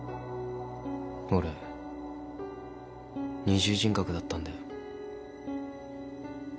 俺二重人格だったんだよ。